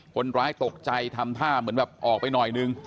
ตกใจทำท่าเหมือนแบบออกไปหน่อยนึง